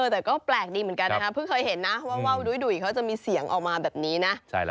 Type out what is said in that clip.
แต่ก็แปลกดีเหมือนกันนะครับเพิ่งเคยเห็นนะว่าวดุ้ยเขาจะมีเสียงออกมาแบบนี้นะ